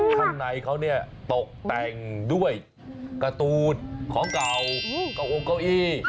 ข้างในเขาเนี่ยตกแต่งด้วยการ์ตูนของเก่าเก้าองเก้าอี้